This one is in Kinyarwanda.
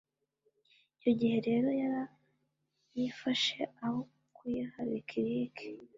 Icyo gihe rero yarayifashe aho kuyiha Licky Lick